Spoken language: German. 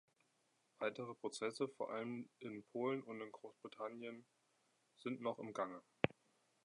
Weitere Prozesse, vor allem in Polen und in Großbritannien, sind noch im Gange.